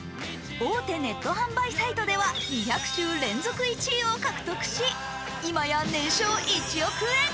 大手ネット販売サイトでは２００週連続１位を獲得し、今や年商１億円。